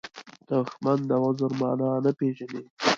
دښمن د عذر معنا نه پېژني